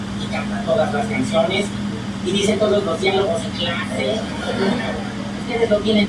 Una fundación lleva su nombre.